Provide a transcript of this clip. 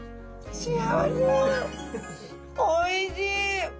おいしい！